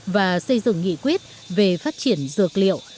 và xây dựng nghị quyết về phát triển dược liệu